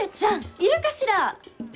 いるかしら？